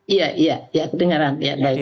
iya iya iya kedengaran